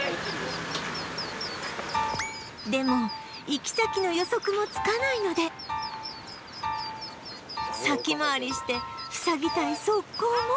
でも行き先の予測もつかないので先回りしてふさぎたい側溝も